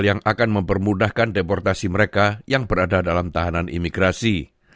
yang akan mempermudahkan deportasi mereka yang berada dalam tahanan imigrasi